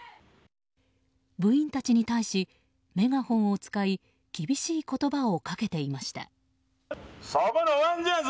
部員たちに対し、メガホンを使い厳しい言葉をかけていました。